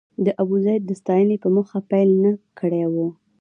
د ابوزید د ستاینې په موخه پيل نه کړی و.